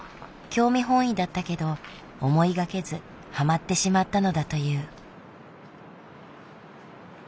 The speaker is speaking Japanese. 興味本位だったけど思いがけずハマってしまったのだという。